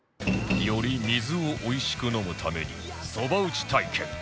より水をおいしく飲むために蕎麦打ち体験